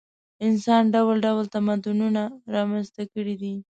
انسان ډول ډول تمدنونه رامنځته کړي دي.